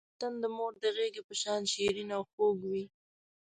وطن د مور د غېږې په شان شیرین او خوږ وی.